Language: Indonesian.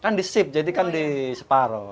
kan di ship jadi kan di separoh